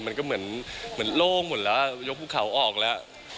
มันก็เหมือนโล่งหมดแล้วยกภูเขาออกแล้ว